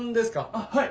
あっはい！